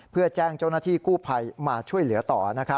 เพื่อแจ้งเจ้าหน้าที่กู้ภัยมาช่วยเหลือต่อ